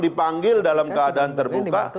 dipanggil dalam keadaan terbuka